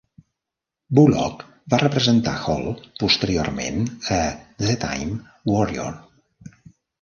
Bulloch va representar Hal posteriorment a "The Time Warrior".